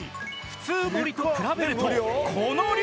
普通盛りと比べるとこの量！